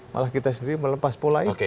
malah kita sendiri melepas pola itu